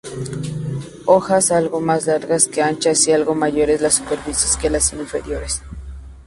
Hojas algo más largas que anchas y algo mayores las superiores que las inferiores.